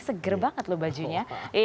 segar banget loh bajunya